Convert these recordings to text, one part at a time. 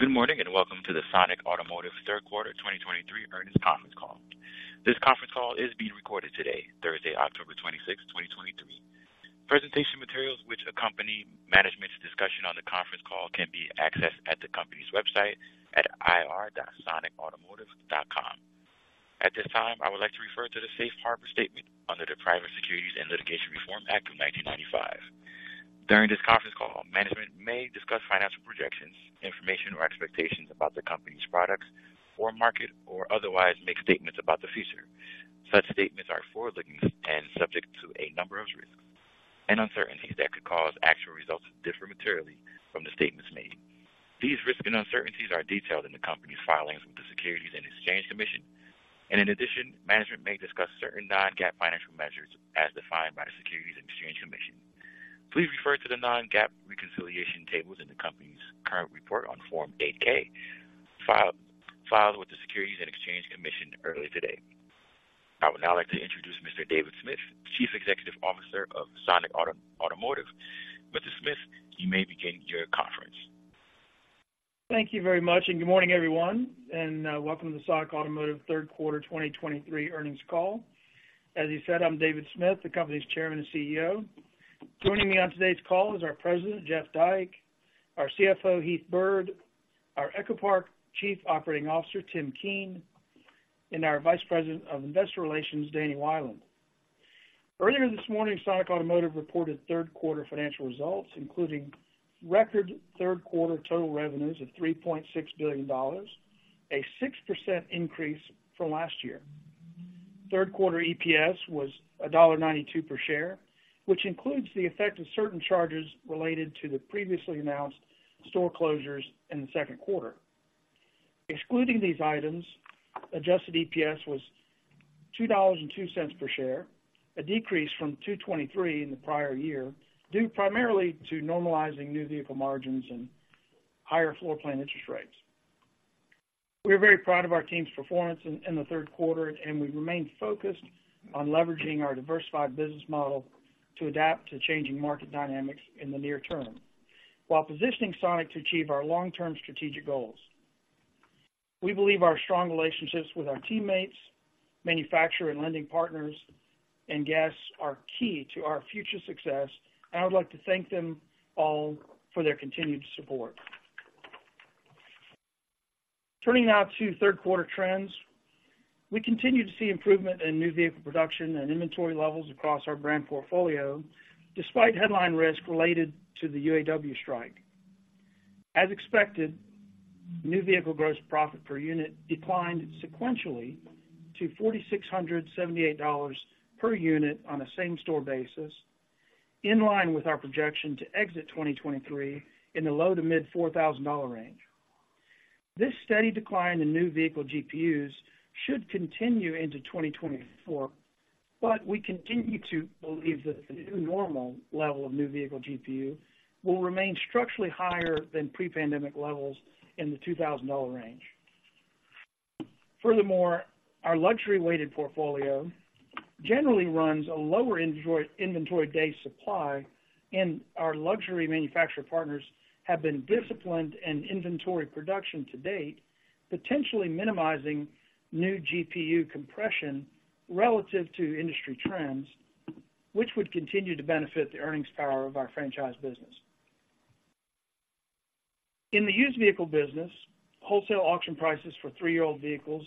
Good morning, and welcome to the Sonic Automotive third quarter 2023 earnings conference call. This conference call is being recorded today, Thursday, October 26, 2023. Presentation materials which accompany management's discussion on the conference call can be accessed at the company's website at ir.sonicautomotive.com. At this time, I would like to refer to the Safe Harbor statement under the Private Securities and Litigation Reform Act of 1995. During this conference call, management may discuss financial projections, information, or expectations about the company's products or market, or otherwise make statements about the future. Such statements are forward-looking and subject to a number of risks and uncertainties that could cause actual results to differ materially from the statements made. These risks and uncertainties are detailed in the company's filings with the Securities and Exchange Commission. And in addition, management may discuss certain non-GAAP financial measures as defined by the Securities and Exchange Commission. Please refer to the non-GAAP reconciliation tables in the company's current report on Form 8-K, filed with the Securities and Exchange Commission earlier today. I would now like to introduce Mr. David Smith, Chief Executive Officer of Sonic Automotive. Mr. Smith, you may begin your conference. Thank you very much, and good morning, everyone, and, welcome to the Sonic Automotive third quarter 2023 earnings call. As you said, I'm David Bruton Smith, the company's Chairman and CEO. Joining me on today's call is our President, Jeff Dyke, our CFO, Heath Byrd, our EchoPark Chief Operating Officer, Tim Keen, and our Vice President of Investor Relations, Danny Wieland. Earlier this morning, Sonic Automotive reported third quarter financial results, including record third quarter total revenues of $3.6 billion, a 6% increase from last year. Third quarter EPS was $1.92 per share, which includes the effect of certain charges related to the previously announced store closures in the second quarter. Excluding these items, adjusted EPS was $2.02 per share, a decrease from $2.23 in the prior year, due primarily to normalizing new vehicle margins and higher floor plan interest rates. We are very proud of our team's performance in the third quarter, and we remain focused on leveraging our diversified business model to adapt to changing market dynamics in the near term, while positioning Sonic to achieve our long-term strategic goals. We believe our strong relationships with our teammates, manufacturer and lending partners, and guests are key to our future success, and I would like to thank them all for their continued support. Turning now to third quarter trends. We continue to see improvement in new vehicle production and inventory levels across our brand portfolio, despite headline risk related to the UAW strike. As expected, new vehicle gross profit per unit declined sequentially to $4,678 per unit on a same-store basis, in line with our projection to exit 2023 in the low- to mid-$4,000 range. This steady decline in new vehicle GPUs should continue into 2024, but we continue to believe that the new normal level of new vehicle GPU will remain structurally higher than pre-pandemic levels in the $2,000 range. Furthermore, our luxury-weighted portfolio generally runs a lower inventory, inventory day supply, and our luxury manufacturer partners have been disciplined in inventory production to date, potentially minimizing new GPU compression relative to industry trends, which would continue to benefit the earnings power of our franchise business. In the used vehicle business, wholesale auction prices for three-year-old vehicles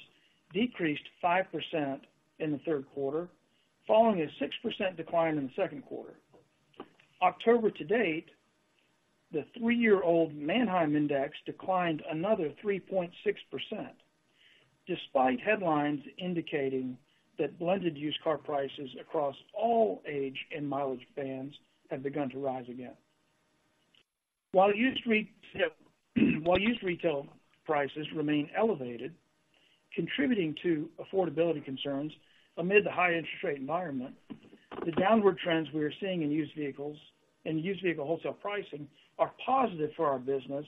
decreased 5% in the third quarter, following a 6% decline in the second quarter. October to date, the three-year-old Manheim Index declined another 3.6%, despite headlines indicating that blended used car prices across all age and mileage bands have begun to rise again. While used retail prices remain elevated, contributing to affordability concerns amid the high interest rate environment, the downward trends we are seeing in used vehicles and used vehicle wholesale pricing are positive for our business,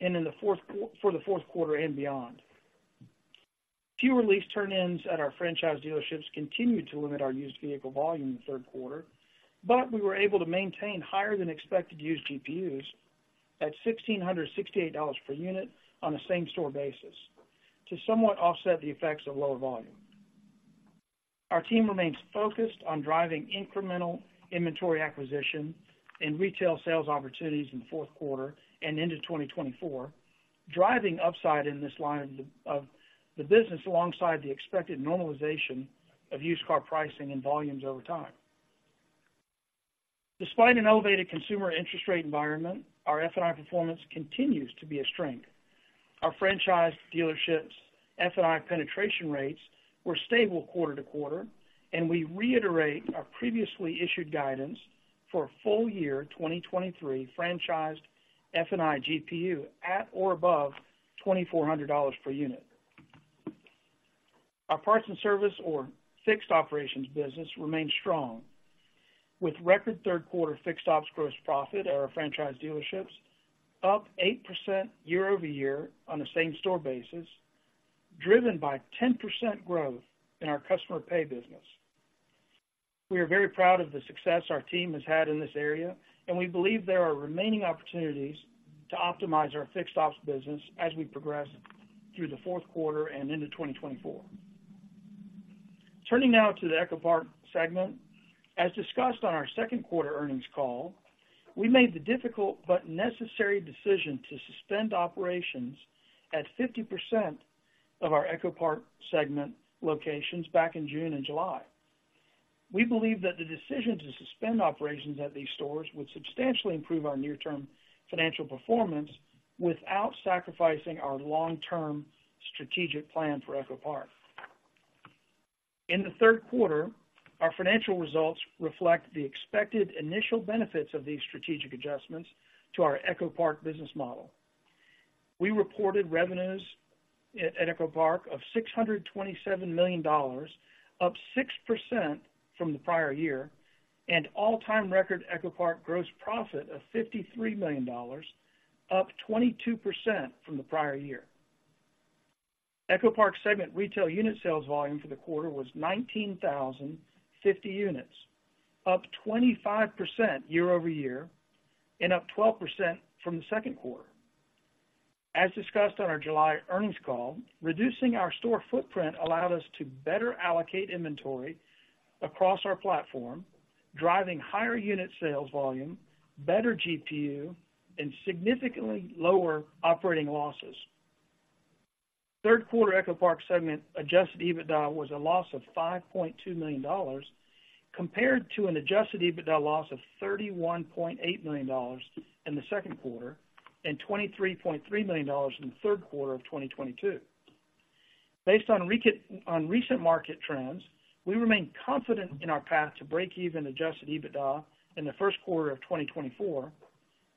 and for the fourth quarter and beyond. Fewer lease turn-ins at our franchise dealerships continued to limit our used vehicle volume in the third quarter, but we were able to maintain higher than expected used GPUs at $1,668 per unit on a same-store basis to somewhat offset the effects of lower volume. Our team remains focused on driving incremental inventory acquisition and retail sales opportunities in the fourth quarter and into 2024, driving upside in this line of the, of the business alongside the expected normalization of used car pricing and volumes over time. Despite an elevated consumer interest rate environment, our F&I performance continues to be a strength. Our franchise dealerships F&I penetration rates were stable quarter to quarter, and we reiterate our previously issued guidance for full year 2023 franchised F&I GPU at or above $2,400 per unit. Our parts and service or fixed operations business remains strong, with record third quarter fixed ops gross profit at our franchise dealerships up 8% year-over-year on a same-store basis, driven by 10% growth in our customer pay business. We are very proud of the success our team has had in this area, and we believe there are remaining opportunities to optimize our fixed ops business as we progress through the fourth quarter and into 2024. Turning now to the EchoPark segment. As discussed on our second quarter earnings call, we made the difficult but necessary decision to suspend operations at 50% of our EchoPark segment locations back in June and July. We believe that the decision to suspend operations at these stores would substantially improve our near-term financial performance without sacrificing our long-term strategic plan for EchoPark. In the third quarter, our financial results reflect the expected initial benefits of these strategic adjustments to our EchoPark business model. We reported revenues at EchoPark of $627 million, up 6% from the prior year, and all-time record EchoPark gross profit of $53 million, up 22% from the prior year. EchoPark segment retail unit sales volume for the quarter was 19,050 units, up 25% year-over-year and up 12% from the second quarter. As discussed on our July earnings call, reducing our store footprint allowed us to better allocate inventory across our platform, driving higher unit sales volume, better GPU, and significantly lower operating losses. Third quarter EchoPark segment adjusted EBITDA was a loss of $5.2 million, compared to an adjusted EBITDA loss of $31.8 million in the second quarter and $23.3 million in the third quarter of 2022. Based on recent market trends, we remain confident in our path to break even adjusted EBITDA in the first quarter of 2024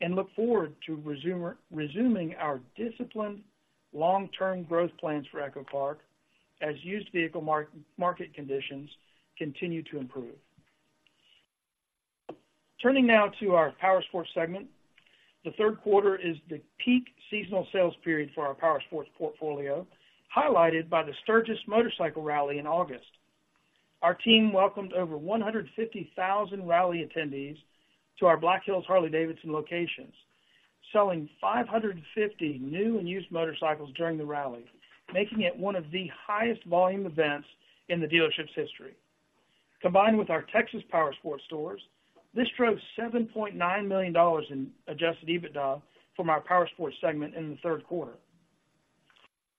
and look forward to resuming our disciplined long-term growth plans for EchoPark as used vehicle market conditions continue to improve. Turning now to our Powersports segment. The third quarter is the peak seasonal sales period for our Powersports portfolio, highlighted by the Sturgis Motorcycle Rally in August. Our team welcomed over 150,000 rally attendees to our Black Hills Harley-Davidson locations, selling 550 new and used motorcycles during the rally, making it one of the highest volume events in the dealership's history. Combined with our Texas Powersports stores, this drove $7.9 million in adjusted EBITDA from our Powersports segment in the third quarter.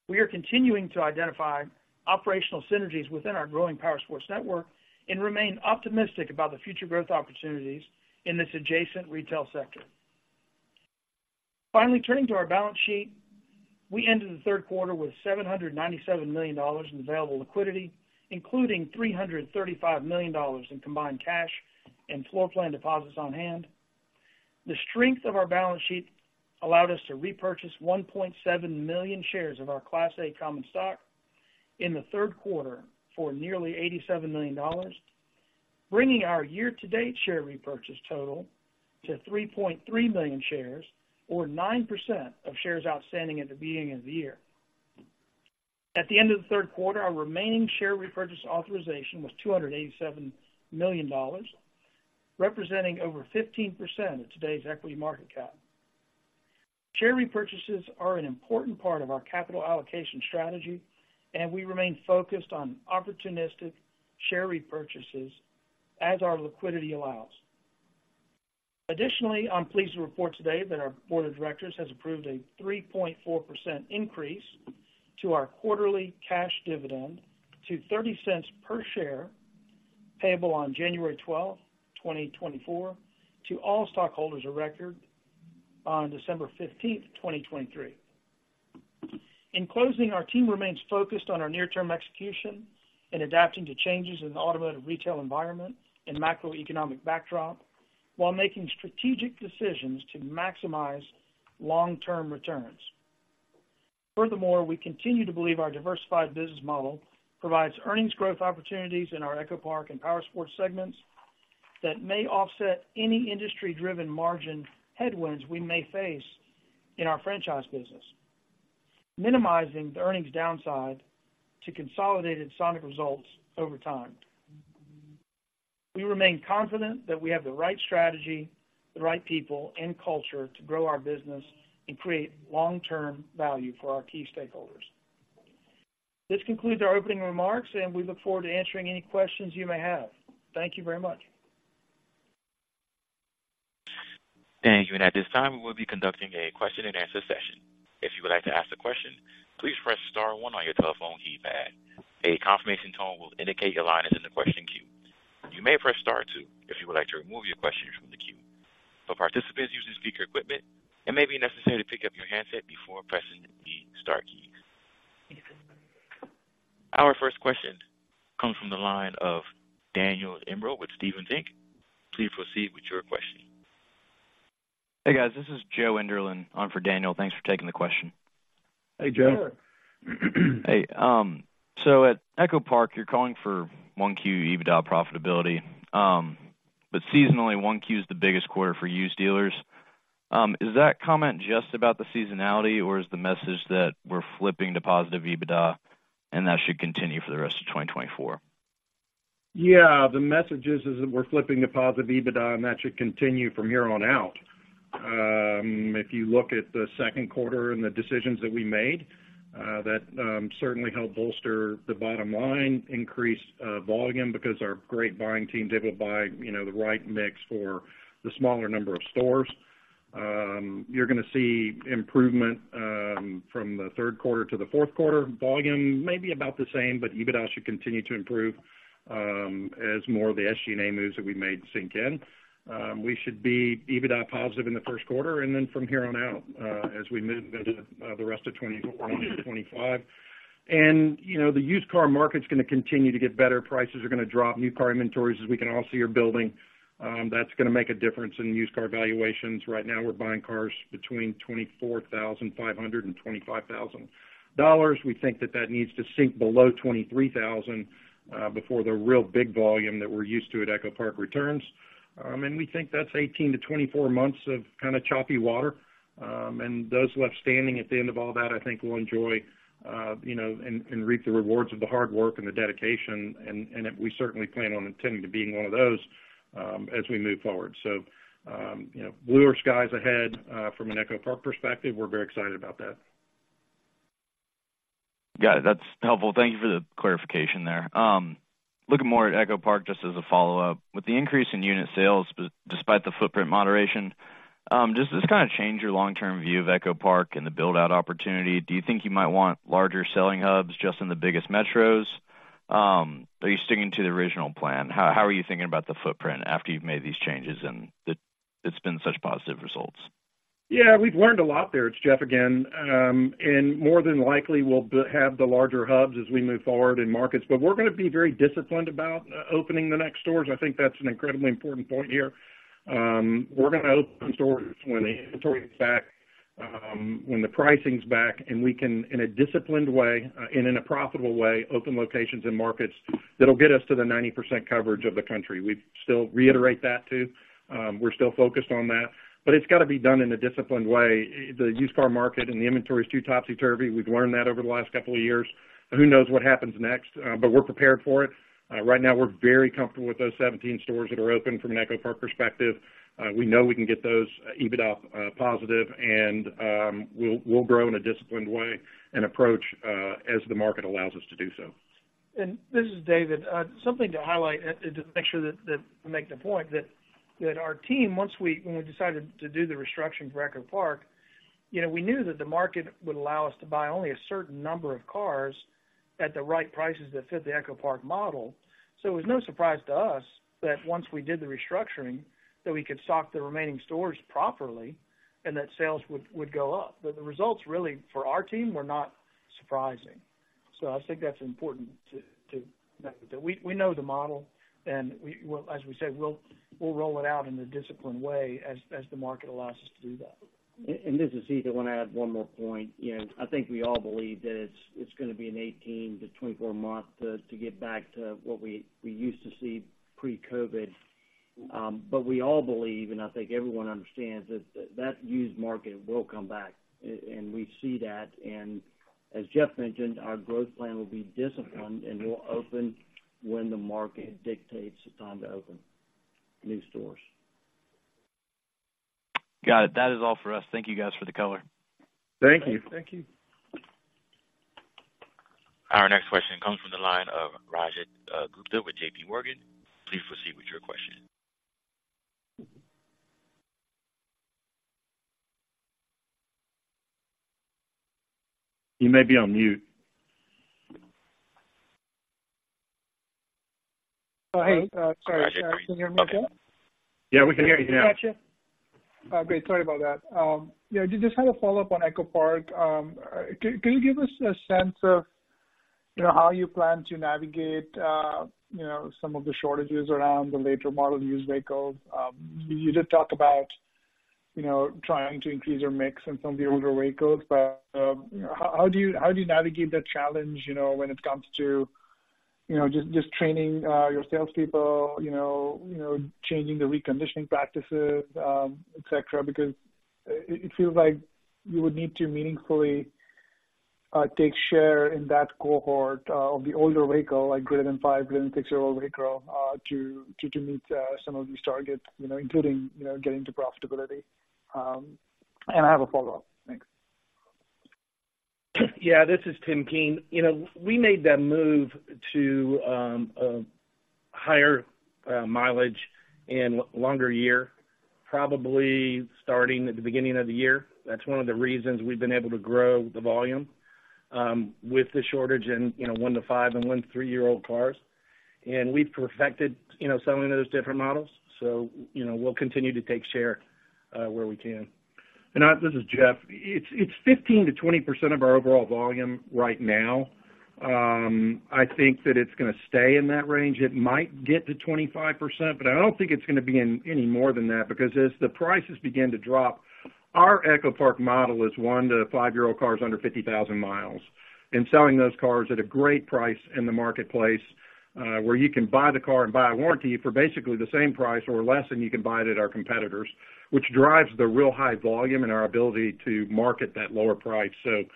We are continuing to identify operational synergies within our growing Powersports network and remain optimistic about the future growth opportunities in this adjacent retail sector. Finally, turning to our balance sheet. We ended the third quarter with $797 million in available liquidity, including $335 million in combined cash and floor plan deposits on hand. The strength of our balance sheet allowed us to repurchase 1.7 million shares of our Class A common stock in the third quarter for nearly $87 million, bringing our year-to-date share repurchase total to 3.3 million shares, or 9% of shares outstanding at the beginning of the year. At the end of the third quarter, our remaining share repurchase authorization was $287 million, representing over 15% of today's equity market cap. Share repurchases are an important part of our capital allocation strategy, and we remain focused on opportunistic share repurchases as our liquidity allows. Additionally, I'm pleased to report today that our board of directors has approved a 3.4% increase to our quarterly cash dividend to $0.30 per share, payable on January 12, 2024, to all stockholders of record on December 15, 2023. In closing, our team remains focused on our near-term execution and adapting to changes in the automotive retail environment and macroeconomic backdrop, while making strategic decisions to maximize long-term returns. Furthermore, we continue to believe our diversified business model provides earnings growth opportunities in our EchoPark and Powersports segments that may offset any industry-driven margin headwinds we may face in our franchise business, minimizing the earnings downside to consolidated Sonic results over time. We remain confident that we have the right strategy, the right people, and culture to grow our business and create long-term value for our key stakeholders. This concludes our opening remarks, and we look forward to answering any questions you may have. Thank you very much. Thank you. And at this time, we will be conducting a question-and-answer session. If you would like to ask a question, please press star one on your telephone keypad. A confirmation tone will indicate your line is in the question queue. You may press star two if you would like to remove your questions from the queue. For participants using speaker equipment, it may be necessary to pick up your handset before pressing the star keys. Our first question comes from the line of Daniel Imbro with Stephens Inc. Please proceed with your question. Hey, guys, this is Joe Enderlin on for Daniel. Thanks for taking the question. Hey, Joe. Hey. So at EchoPark, you're calling for 1Q EBITDA profitability. But seasonally, 1Q is the biggest quarter for used dealers. Is that comment just about the seasonality, or is the message that we're flipping to positive EBITDA, and that should continue for the rest of 2024? Yeah, the message is that we're flipping to positive EBITDA, and that should continue from here on out. If you look at the second quarter and the decisions that we made, that certainly helped bolster the bottom line, increase volume, because our great buying team, they will buy, you know, the right mix for the smaller number of stores. You're gonna see improvement from the third quarter to the fourth quarter. Volume may be about the same, but EBITDA should continue to improve as more of the SG&A moves that we made sink in. We should be EBITDA positive in the first quarter and then from here on out, as we move into the rest of 2024 onto 2025. You know, the used car market's gonna continue to get better. Prices are gonna drop. New car inventories, as we can all see, are building. That's gonna make a difference in used car valuations. Right now, we're buying cars between $24,500 and $25,000. We think that that needs to sink below $23,000 before the real big volume that we're used to at EchoPark returns. And we think that's 18-24 months of kind of choppy water. And those left standing at the end of all that, I think, will enjoy, you know, and reap the rewards of the hard work and the dedication, and we certainly plan on intending to being one of those, as we move forward. So, you know, bluer skies ahead, from an EchoPark perspective. We're very excited about that. Got it. That's helpful. Thank you for the clarification there. Looking more at EchoPark, just as a follow-up, with the increase in unit sales, but despite the footprint moderation, does this kind of change your long-term view of EchoPark and the build-out opportunity? Do you think you might want larger selling hubs just in the biggest metros? Are you sticking to the original plan? How are you thinking about the footprint after you've made these changes and it's been such positive results? Yeah, we've learned a lot there. It's Jeff again. And more than likely, we'll have the larger hubs as we move forward in markets, but we're gonna be very disciplined about opening the next stores. I think that's an incredibly important point here. We're gonna open stores when the inventory is back, when the pricing's back, and we can, in a disciplined way, and in a profitable way, open locations and markets that'll get us to the 90% coverage of the country. We still reiterate that, too. We're still focused on that, but it's got to be done in a disciplined way. The used car market and the inventory is too topsy-turvy. We've learned that over the last couple of years, and who knows what happens next? But we're prepared for it. Right now, we're very comfortable with those 17 stores that are open from an EchoPark perspective. We know we can get those EBITDA positive, and we'll grow in a disciplined way and approach as the market allows us to do so. And this is David. Something to highlight, just to make sure that I make the point that our team, when we decided to do the restructuring for EchoPark, you know, we knew that the market would allow us to buy only a certain number of cars at the right prices that fit the EchoPark model. So it was no surprise to us that once we did the restructuring, that we could stock the remaining stores properly and that sales would go up. But the results really, for our team, were not surprising. So I think that's important to note that we know the model, and well, as we said, we'll roll it out in a disciplined way, as the market allows us to do that. This is Heath. I want to add one more point. You know, I think we all believe that it's gonna be an 18-24 month to get back to what we used to see pre-COVID. But we all believe, and I think everyone understands, that used market will come back, and we see that. And as Jeff mentioned, our growth plan will be disciplined, and we'll open when the market dictates the time to open new stores. Got it. That is all for us. Thank you guys for the color. Thank you. Thank you. Our next question comes from the line of Rajat Gupta with JPMorgan. Please proceed with your question. You may be on mute. Oh, hey, sorry. Can you hear me now? Yeah, we can hear you now. Gotcha. Great, sorry about that. Yeah, just had a follow-up on EchoPark. Can you give us a sense of, you know, how you plan to navigate, you know, some of the shortages around the later model used vehicles? You did talk about, you know, trying to increase your mix in some of the older vehicles, but, how do you navigate that challenge, you know, when it comes to, you know, just training, your salespeople, you know, changing the reconditioning practices, et cetera? Because it feels like you would need to meaningfully, take share in that cohort, of the older vehicle, like greater than five, greater than six-year-old vehicle, to meet, some of these targets, you know, including, you know, getting to profitability. And I have a follow-up. Thanks. Yeah, this is Tim Keen. You know, we made that move to a higher mileage and longer year, probably starting at the beginning of the year. That's one of the reasons we've been able to grow the volume with the shortage in, you know, one to five and one to three-year-old cars. And we've perfected, you know, selling those different models, so, you know, we'll continue to take share where we can. This is Jeff. It's 15%-20% of our overall volume right now. I think that it's going to stay in that range. It might get to 25%, but I don't think it's going to be any more than that, because as the prices begin to drop, our EchoPark model is one- to five-year-old cars under 50,000 miles, and selling those cars at a great price in the marketplace, where you can buy the car and buy a warranty for basically the same price or less than you can buy it at our competitors, which drives the real high volume and our ability to market that lower price. We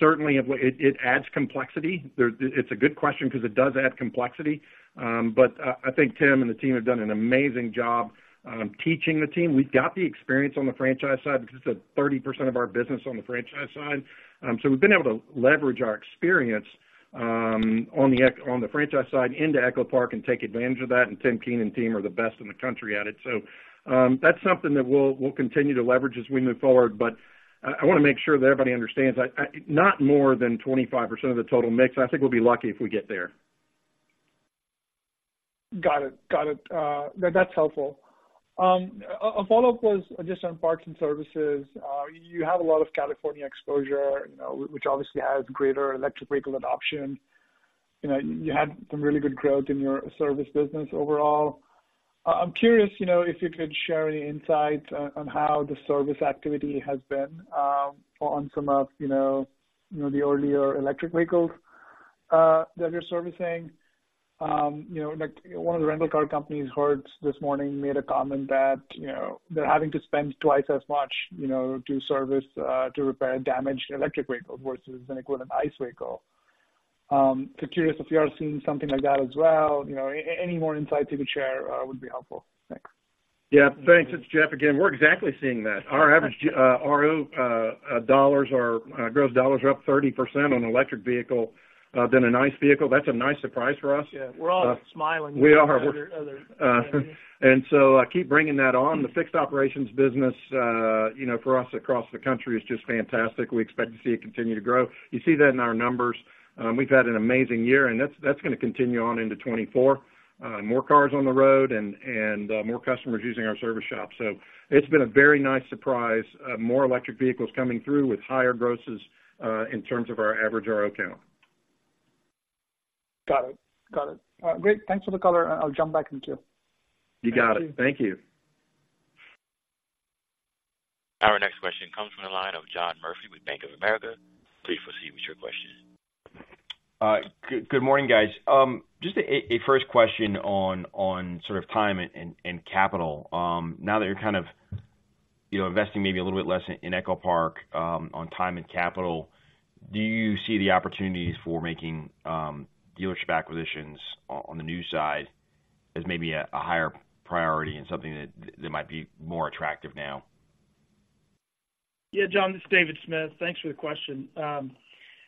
certainly have—it adds complexity. It's a good question because it does add complexity. But I think Tim and the team have done an amazing job teaching the team. We've got the experience on the franchise side, because it's 30% of our business on the franchise side. So we've been able to leverage our experience on the franchise side into EchoPark and take advantage of that, and Tim Keen and team are the best in the country at it. That's something that we'll continue to leverage as we move forward. But I want to make sure that everybody understands, not more than 25% of the total mix. I think we'll be lucky if we get there. Got it. Got it. That's helpful. A follow-up was just on parts and services. You have a lot of California exposure, you know, which obviously has greater electric vehicle adoption. You know, you had some really good growth in your service business overall. I'm curious, you know, if you could share any insights on how the service activity has been on some of, you know, you know, the earlier electric vehicles that you're servicing. You know, like one of the rental car companies, Hertz, this morning, made a comment that, you know, they're having to spend twice as much, you know, to service to repair damaged electric vehicles versus an equivalent ICE vehicle. So curious if you are seeing something like that as well. You know, any more insight you could share would be helpful. Thanks. Yeah, thanks. It's Jeff again. We're exactly seeing that. Our average RO dollars or gross dollars are up 30% on an electric vehicle than an ICE vehicle. That's a nice surprise for us. Yeah, we're all smiling- We are. -other, other. Keep bringing that on. The fixed operations business, you know, for us across the country is just fantastic. We expect to see it continue to grow. You see that in our numbers. We've had an amazing year, and that's, that's going to continue on into 2024. More cars on the road and more customers using our service shop. So it's been a very nice surprise, more electric vehicles coming through with higher grosses, in terms of our average RO count. Got it. Got it. Great. Thanks for the color. I'll jump back in the queue. You got it. Thank you. Our next question comes from the line of John Murphy with Bank of America. Please proceed with your question. Good morning, guys. Just a first question on sort of time and capital. Now that you're kind of, you know, investing maybe a little bit less in EchoPark on time and capital, do you see the opportunities for making dealership acquisitions on the new side as maybe a higher priority and something that might be more attractive now? Yeah, John, it's David Smith. Thanks for the question.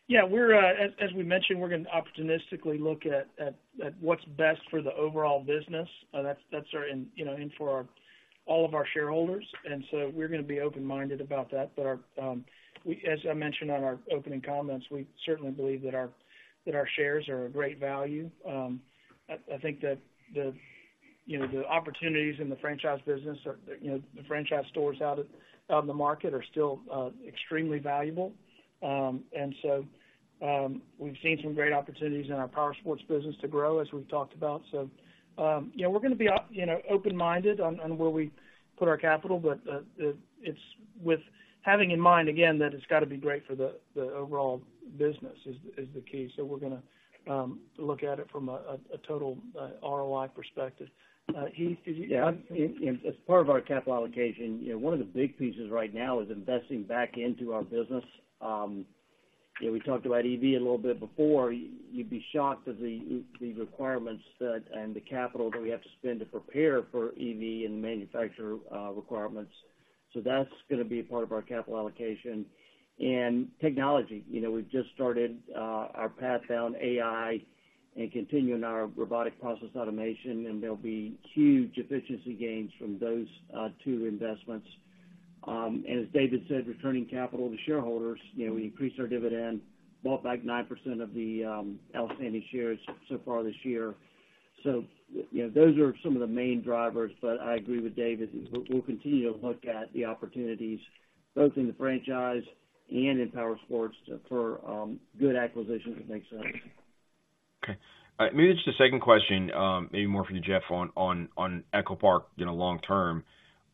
Yeah, we're, as we mentioned, we're going to opportunistically look at what's best for the overall business. That's our, you know, and for all of our shareholders, and we're going to be open-minded about that. As I mentioned in our opening comments, we certainly believe that our shares are of great value. I think that the, you know, the opportunities in the franchise business are, you know, the franchise stores out in the market are still extremely valuable. We've seen some great opportunities in our powersports business to grow, as we've talked about. So, you know, we're going to be, you know, open-minded on where we put our capital, but, it's with having in mind, again, that it's got to be great for the overall business is the key. So we're going to look at it from a total ROI perspective. Heath, could you- Yeah, and as part of our capital allocation, you know, one of the big pieces right now is investing back into our business. You know, we talked about EV a little bit before. You'd be shocked at the requirements that, and the capital that we have to spend to prepare for EV and manufacturer requirements. So that's going to be a part of our capital allocation. And technology, you know, we've just started our path down AI and continuing our robotic process automation, and there'll be huge efficiency gains from those two investments. And as David said, returning capital to shareholders, you know, we increased our dividend, bought back 9% of the outstanding shares so far this year. So, you know, those are some of the main drivers, but I agree with David. We'll continue to look at the opportunities, both in the franchise and in powersports, for good acquisitions that make sense. Okay. All right, maybe just a second question, maybe more for you, Jeff, on EchoPark, you know, long term.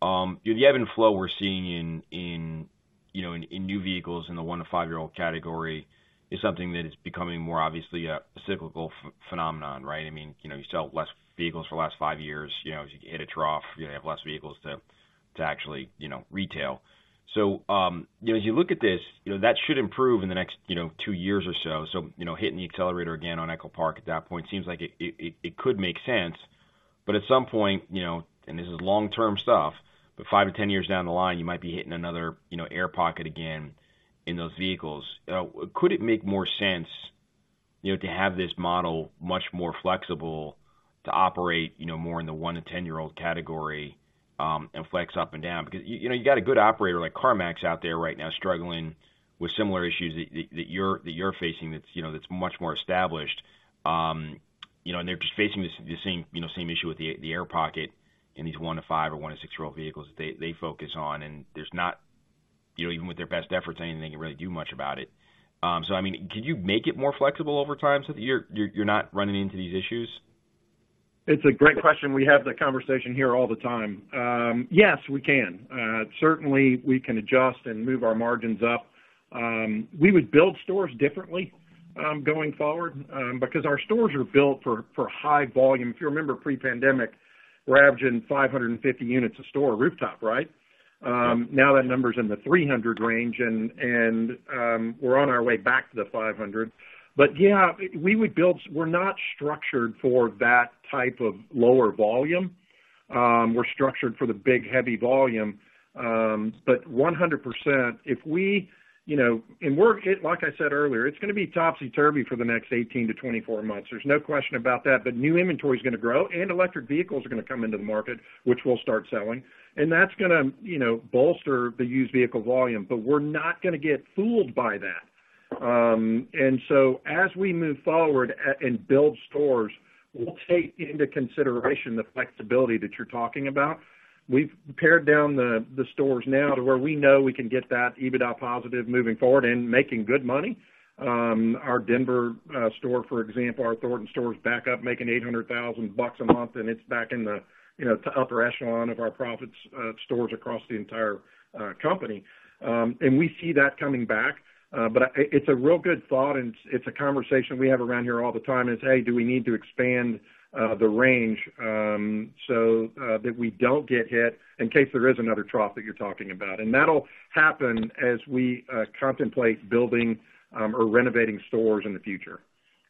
The ebb and flow we're seeing in, you know, in new vehicles in the one to five-year-old category is something that is becoming more obviously a cyclical phenomenon, right? I mean, you know, you sell less vehicles for the last five years, you know, as you hit a trough, you have less vehicles to actually, you know, retail. So, you know, as you look at this, you know, that should improve in the next two years or so. So, you know, hitting the accelerator again on EchoPark at that point seems like it could make sense. At some point, you know, and this is long-term stuff, but five to 10 years down the line, you might be hitting another, you know, air pocket again in those vehicles. Could it make more sense, you know, to have this model much more flexible to operate, you know, more in the one to 10-year-old category, and flex up and down? Because, you know, you got a good operator like CarMax out there right now, struggling with similar issues that, that, that you're, that you're facing, that's, you know, that's much more established... you know, and they're just facing the same, you know, same issue with the, the air pocket in these one to five or one to six-year-old vehicles they, they focus on, and there's not, you know, even with their best efforts, anything they can really do much about it. So I mean, can you make it more flexible over time, so you're not running into these issues? It's a great question. We have that conversation here all the time. Yes, we can. Certainly, we can adjust and move our margins up. We would build stores differently going forward because our stores are built for high volume. If you remember pre-pandemic, we're averaging 550 units a store rooftop, right? Now that number's in the 300 range, and we're on our way back to the 500. But yeah, we would build-- we're not structured for that type of lower volume. We're structured for the big, heavy volume, but 100%, if we, you know, and we're-- Like I said earlier, it's gonna be topsy-turvy for the next 18-24 months. There's no question about that, but new inventory is gonna grow, and electric vehicles are gonna come into the market, which we'll start selling. And that's gonna, you know, bolster the used vehicle volume, but we're not gonna get fooled by that. And so as we move forward and build stores, we'll take into consideration the flexibility that you're talking about. We've pared down the stores now to where we know we can get that EBITDA positive moving forward and making good money. Our Denver store, for example, our Thornton store, is back up, making $800,000 a month, and it's back in the, you know, upper echelon of our profits stores across the entire company. And we see that coming back, but it's a real good thought, and it's a conversation we have around here all the time is, "Hey, do we need to expand the range, so that we don't get hit in case there is another trough that you're talking about?" And that'll happen as we contemplate building or renovating stores in the future.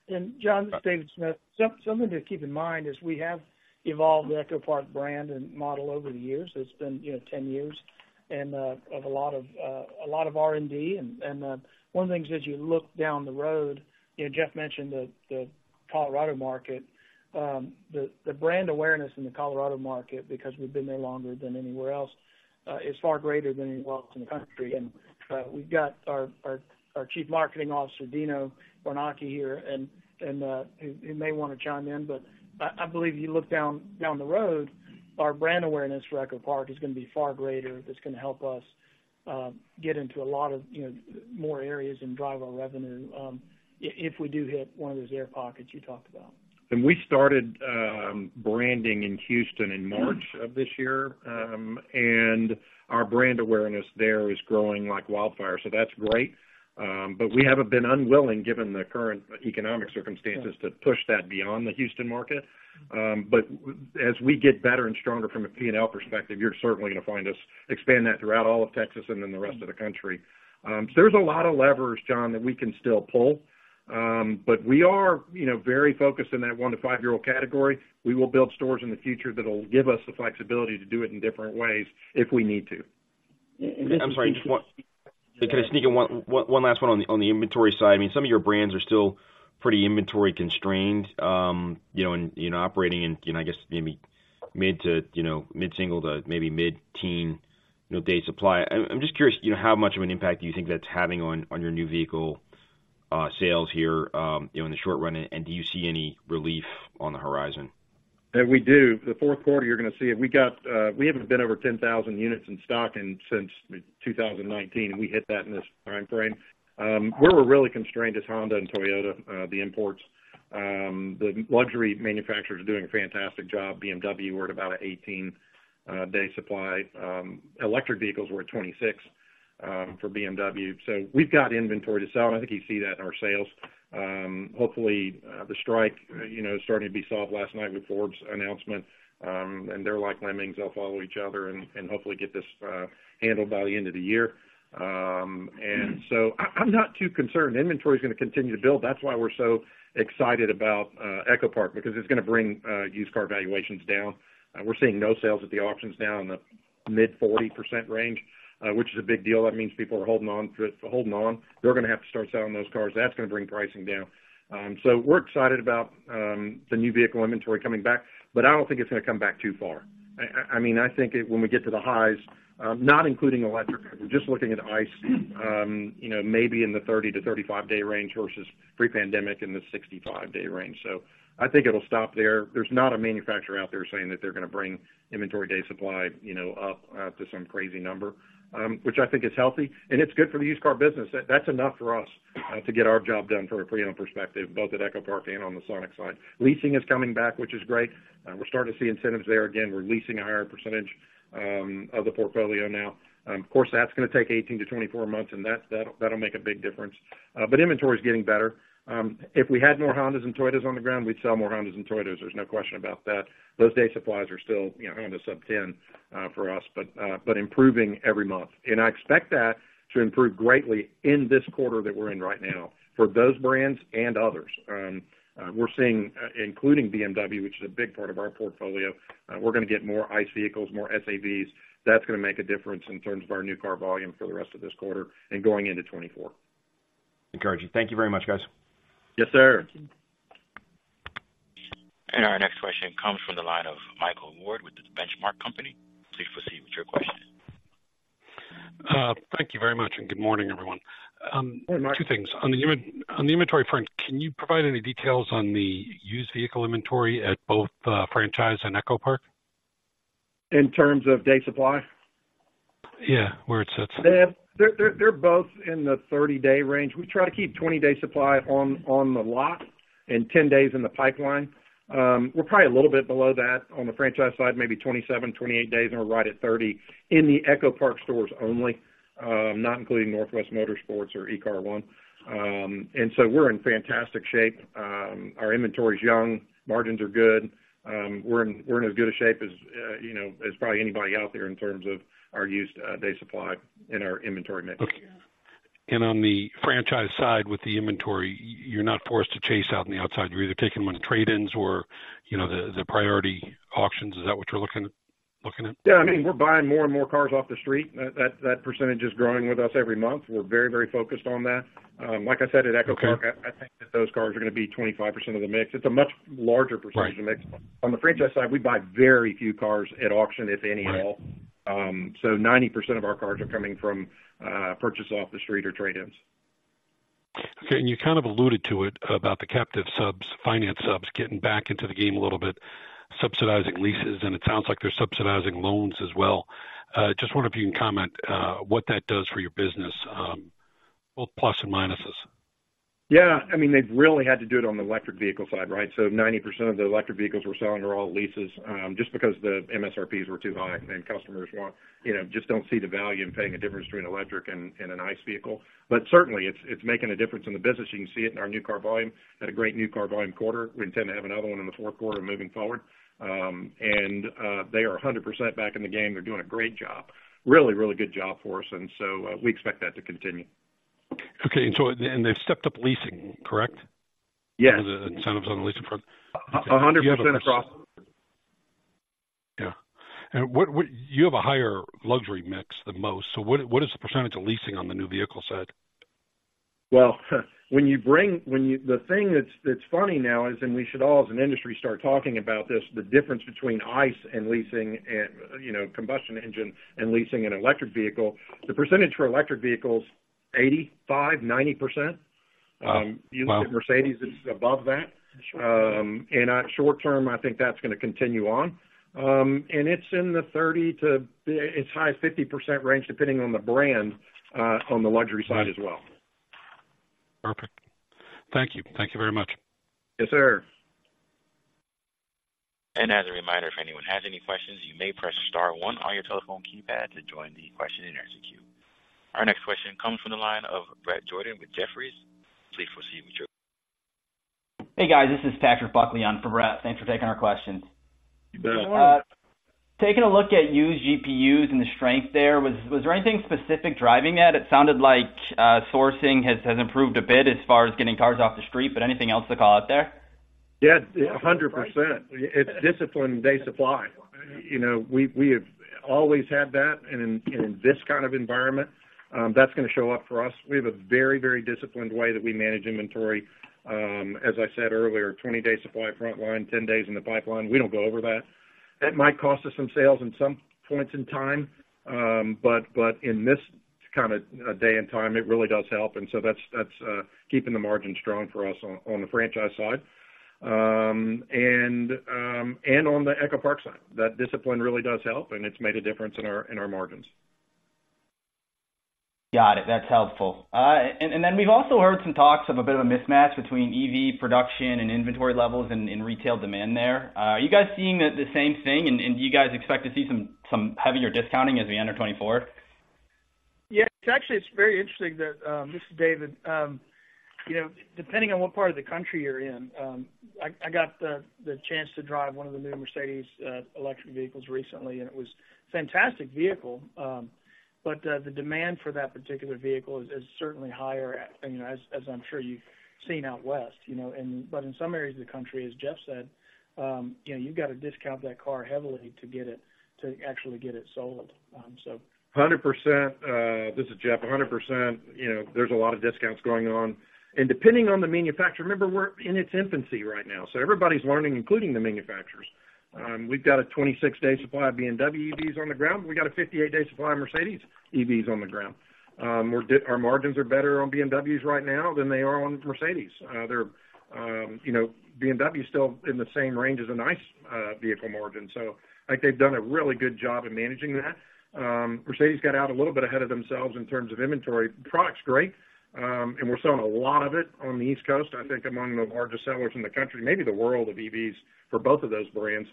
And John, this is David Smith. Something to keep in mind is we have evolved the EchoPark brand and model over the years. It's been, you know, 10 years and of a lot of R&D. And one of the things as you look down the road, you know, Jeff mentioned the Colorado market, the brand awareness in the Colorado market, because we've been there longer than anywhere else is far greater than anywhere else in the country. And we've got our Chief Marketing Officer, Dino Bernacchi, here, and he may want to chime in, but I believe if you look down the road, our brand awareness for EchoPark is gonna be far greater. That's gonna help us get into a lot of, you know, more areas and drive our revenue, if we do hit one of those air pockets you talked about. We started branding in Houston in March of this year, and our brand awareness there is growing like wildfire, so that's great. But we haven't been unwilling, given the current economic circumstances, to push that beyond the Houston market. But as we get better and stronger from a P&L perspective, you're certainly gonna find us expand that throughout all of Texas and then the rest of the country. So there's a lot of levers, John, that we can still pull. But we are, you know, very focused on that one to five-year-old category. We will build stores in the future that'll give us the flexibility to do it in different ways if we need to. I'm sorry, just one—Can I sneak in one, one, one last one on the, on the inventory side? I mean, some of your brands are still pretty inventory constrained, you know, and, you know, operating in, you know, I guess, maybe mid to, you know, mid-single to maybe mid-teen, you know, day supply. I'm, I'm just curious, you know, how much of an impact do you think that's having on, on your new vehicle sales here, you know, in the short run, and do you see any relief on the horizon? We do. The fourth quarter, you're gonna see it. We got... We haven't been over 10,000 units in stock since 2019, and we hit that in this timeframe. Where we're really constrained is Honda and Toyota, the imports. The luxury manufacturers are doing a fantastic job. BMW, we're at about an 18 day supply. Electric vehicles were at 26 for BMW. So we've got inventory to sell, and I think you see that in our sales. Hopefully, the strike, you know, starting to be solved last night with Ford's announcement, and they're like lemmings, they'll follow each other and hopefully get this handled by the end of the year. I, I'm not too concerned. Inventory is gonna continue to build. That's why we're so excited about EchoPark, because it's gonna bring used car valuations down. We're seeing no sales at the auctions now in the mid-40% range, which is a big deal. That means people are holding on to it, holding on. They're gonna have to start selling those cars. That's gonna bring pricing down. So we're excited about the new vehicle inventory coming back, but I don't think it's gonna come back too far. I mean, I think it—when we get to the highs, not including electric, we're just looking at ICE, you know, maybe in the 30-35 day range versus pre-pandemic in the 65 day range. So I think it'll stop there. There's not a manufacturer out there saying that they're gonna bring inventory day supply, you know, up to some crazy number, which I think is healthy, and it's good for the used car business. That's enough for us to get our job done from a pre-owned perspective, both at EchoPark and on the Sonic side. Leasing is coming back, which is great. We're starting to see incentives there. Again, we're leasing a higher percentage of the portfolio now. Of course, that's gonna take 18-24 months, and that'll make a big difference. But inventory is getting better. If we had more Hondas and Toyotas on the ground, we'd sell more Hondas and Toyotas. There's no question about that. Those day supplies are still, you know, Honda sub-10 for us, but improving every month. I expect that to improve greatly in this quarter that we're in right now for those brands and others. We're seeing, including BMW, which is a big part of our portfolio, we're gonna get more ICE vehicles, more SAVs. That's gonna make a difference in terms of our new car volume for the rest of this quarter and going into 2024. Encouraging. Thank you very much, guys. Yes, sir. Our next question comes from the line of Michael Ward with The Benchmark Company. Please proceed with your question.... Thank you very much, and good morning, everyone. Two things. On the inventory front, can you provide any details on the used vehicle inventory at both Franchised and EchoPark? In terms of day supply? Yeah, where it sits. Yeah, they're both in the 30-day range. We try to keep 20-day supply on the lot and 10 days in the pipeline. We're probably a little bit below that on the franchise side, maybe 27, 28 days, and we're right at 30 in the EchoPark stores only, not including Northwest Motorsports or eCarOne. And so we're in fantastic shape. Our inventory is young, margins are good. We're in as good a shape as you know, as probably anybody out there in terms of our used day supply and our inventory mix. Okay. And on the franchise side, with the inventory, you're not forced to chase out in the outside. You're either taking on trade-ins or, you know, the priority auctions. Is that what you're looking at? Yeah, I mean, we're buying more and more cars off the street. That, that percentage is growing with us every month. We're very, very focused on that. Like I said, at EchoPark, I think that those cars are gonna be 25% of the mix. It's a much larger percentage of the mix. Right. On the franchise side, we buy very few cars at auction, if any, at all. Right. 90% of our cars are coming from purchase off the street or trade-ins. Okay. And you kind of alluded to it about the captive subs, finance subs, getting back into the game a little bit, subsidizing leases, and it sounds like they're subsidizing loans as well. Just wonder if you can comment what that does for your business, both plus and minuses? Yeah. I mean, they've really had to do it on the electric vehicle side, right? So 90% of the electric vehicles we're selling are all leases, just because the MSRPs were too high, and customers want. You know, just don't see the value in paying a difference between electric and, and an ICE vehicle. But certainly, it's, it's making a difference in the business. You can see it in our new car volume, had a great new car volume quarter. We intend to have another one in the fourth quarter moving forward. And they are 100% back in the game. They're doing a great job. Really, really good job for us, and so we expect that to continue. Okay, they've stepped up leasing, correct? Yes. The incentives on the leasing front. 100% across. Yeah. And what... You have a higher luxury mix than most, so what is the percentage of leasing on the new vehicle side? Well, the thing that's funny now is, and we should all, as an industry, start talking about this, the difference between ICE and leasing and, you know, combustion engine and leasing an electric vehicle. The percentage for electric vehicles, 85%-90%. Um, wow! You look at Mercedes, it's above that. At short term, I think that's gonna continue on. It's in the 30% to high 50% range, depending on the brand, on the luxury side as well. Perfect. Thank you. Thank you very much. Yes, sir. As a reminder, if anyone has any questions, you may press star one on your telephone keypad to join the question and answer queue. Our next question comes from the line of Brett Jordan with Jefferies. Please proceed with your question. Hey, guys, this is Patrick Buckley on for Brett. Thanks for taking our questions. You bet. Taking a look at used GPUs and the strength there, was there anything specific driving that? It sounded like sourcing has improved a bit as far as getting cars off the street, but anything else to call out there? Yeah, 100%. It's disciplined day supply. You know, we've, we have always had that, and in, and in this kind of environment, that's gonna show up for us. We have a very, very disciplined way that we manage inventory. As I said earlier, 20-day supply frontline, 10 days in the pipeline. We don't go over that. That might cost us some sales in some points in time, but, but in this kind of, day and time, it really does help, and so that's, that's, keeping the margin strong for us on, on the franchise side. And, and on the EchoPark side, that discipline really does help, and it's made a difference in our, in our margins. Got it. That's helpful. And then we've also heard some talks of a bit of a mismatch between EV production and inventory levels and retail demand there. Are you guys seeing the same thing, and do you guys expect to see some heavier discounting as we enter 2024? Yeah. Actually, it's very interesting that, this is David. You know, depending on what part of the country you're in, I got the chance to drive one of the new Mercedes electric vehicles recently, and it was fantastic vehicle. But, the demand for that particular vehicle is certainly higher at, you know, as I'm sure you've seen out west, you know, and but in some areas of the country, as Jeff said, you know, you've got to discount that car heavily to actually get it sold. So- 100%, this is Jeff. 100%, you know, there's a lot of discounts going on. And depending on the manufacturer, remember, we're in its infancy right now, so everybody's learning, including the manufacturers. We've got a 26-day supply of BMW EVs on the ground. We got a 58-day supply of Mercedes EVs on the ground. Our margins are better on BMWs right now than they are on Mercedes. They're, you know, BMW is still in the same range as a nice vehicle margin, so I think they've done a really good job in managing that. Mercedes got out a little bit ahead of themselves in terms of inventory. The product's great, and we're selling a lot of it on the East Coast. I think among the largest sellers in the country, maybe the world of EVs for both of those brands.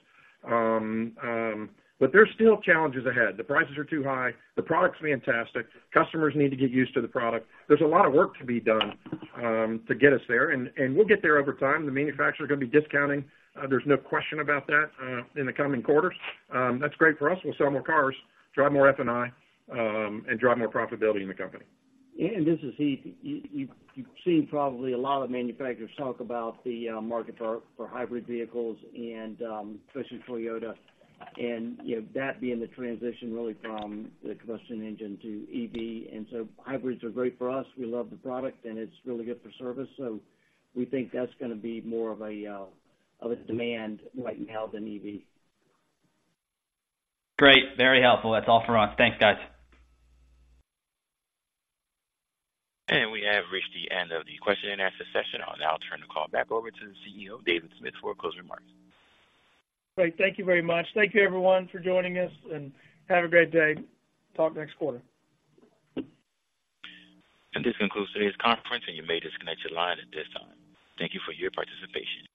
But there's still challenges ahead. The prices are too high, the product's fantastic. Customers need to get used to the product. There's a lot of work to be done, to get us there, and we'll get there over time. The manufacturer is gonna be discounting. There's no question about that in the coming quarters. That's great for us. We'll sell more cars, drive more F&I, and drive more profitability in the company. This is Heath. You've seen probably a lot of manufacturers talk about the market for hybrid vehicles and especially Toyota, and you know, that being the transition really from the combustion engine to EV, and so hybrids are great for us. We love the product, and it's really good for service, so we think that's gonna be more of a demand right now than EV. Great. Very helpful. That's all for us. Thanks, guys. We have reached the end of the question and answer session. I'll now turn the call back over to the CEO, David Smith, for closing remarks. Great. Thank you very much. Thank you, everyone, for joining us, and have a great day. Talk next quarter. This concludes today's conference, and you may disconnect your line at this time. Thank you for your participation.